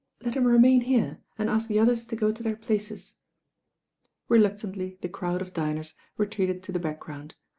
"Let him remain here, and ask the others to go to their places." Reluctantly the crowd of diners retreated to the background.